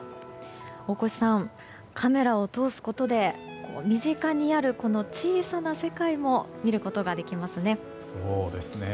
大越さん、カメラを通すことで身近にある小さな世界も見ることができますね。